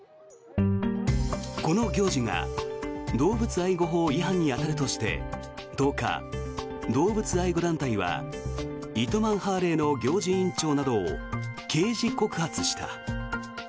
この行事が動物愛護法違反に当たるとして１０日、動物愛護団体は糸満ハーレーの行事委員長などを刑事告発した。